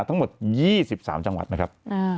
ทั้งหมด๒๓จังหวัดนะครับ